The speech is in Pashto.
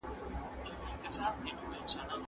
د ځوانانو روزنه تر نورو کارونو ډېره اړینه ده.